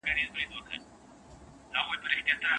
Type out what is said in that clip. خو څو ستوري په گردو کې را ايسار دي